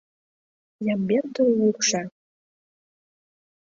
Ямбердын йӱкшӧ.